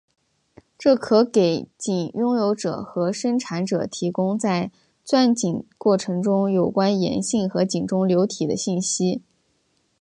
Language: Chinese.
这可给井拥有者和生产者提供在钻井过程中有关岩性和井中流体的信息。